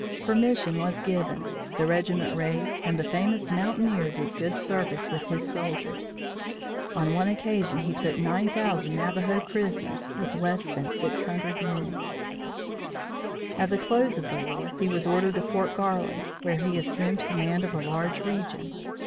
Permission was given, the regiment raised and the famous mountaineer did good service with his soldiers. On one occasion he took 9,000 Navajo prisoners with less than 600 men. At the close of the war, he was ordered to Fort Garland, where he assumed command of a large region.